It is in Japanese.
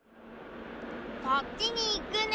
そっちにいくね。